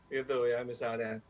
gitu ya misalnya